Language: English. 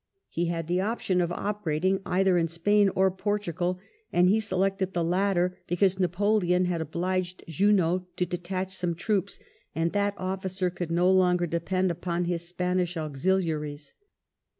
He had the option of operating either in Spain or Portugal, and he selected the latter, because Napoleon had obliged Junot to detach some troops, and that oflicer could no longer depend upon his Spanish auxiliaries.